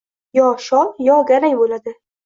Yo shol, yo garang bo‘ladi